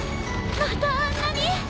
またあんなに！？